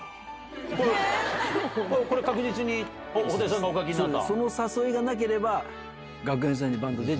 これ確実に布袋さんがお書きになった。